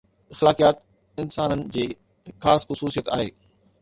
اخلاقيات انسان جي هڪ خاص خصوصيت آهي.